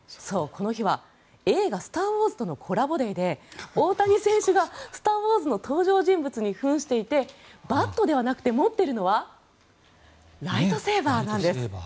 そう、この日は映画「スター・ウォーズ」とのコラボデーで大谷選手が「スター・ウォーズ」の登場人物に扮していてバットではなくて持っているのはライトセーバーなんです。